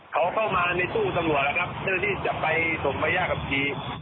เขาเข้ามาในตู้ตำรวจแล้วครับเจ้าหน้าที่จะไปส่งใบย่ากับขี่